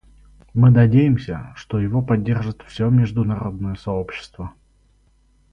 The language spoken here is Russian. Мы надеемся, что его поддержит все международное сообщество.